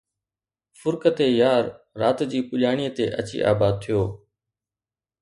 فرقت يار رات جي پڄاڻيءَ تي اچي آباد ٿيو